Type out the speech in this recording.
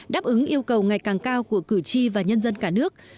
đáp ứng yêu cầu ngày càng cao của cử tri và nhân dân cả nước